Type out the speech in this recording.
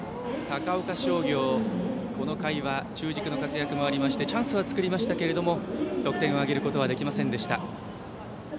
高岡商業、この回は中軸の活躍もありましてチャンスは作りましたが得点を挙げることはできませんでした。